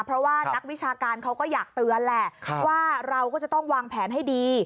เพราะว่านักวิชาการเขาก็อยากเตือนแหละว่าเราก็จะต้องวางแผนให้ดี